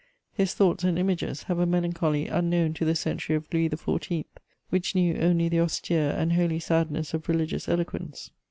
His thoughts and images have a melancholy unknown to the century of Louis XIV., which knew only the austere and holy sadness of religious eloquence.